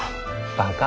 バカ。